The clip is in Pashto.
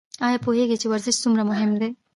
ایا پوهیږئ چې ورزش څومره مهم دی؟